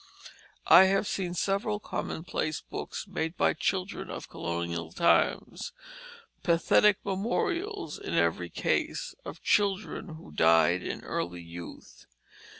I have seen several commonplace books, made by children of colonial times; pathetic memorials, in every case, of children who died in early youth.